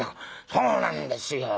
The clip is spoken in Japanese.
「そうなんですよ。ええ」。